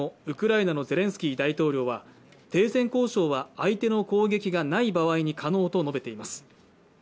ウクライナのゼレンスキー大統領は停戦交渉は相手の攻撃がない場合に可能と述べています